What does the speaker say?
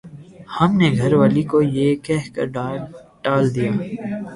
ہم نے گھر والی کو یہ کہہ کر ٹال دیا